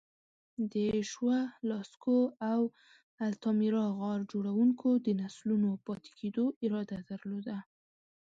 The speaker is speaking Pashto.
د شووه، لاسکو او التامیرا غار جوړونکو د نسلونو پاتې کېدو اراده درلوده.